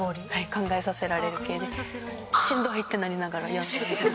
考えさせられる系でしんどいってなりながら読んでる。